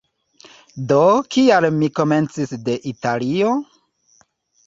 Do kial mi komencis de Italio?